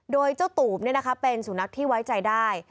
โดยเจ้าตูบเป็นสุนัขที่ไว้ใจได้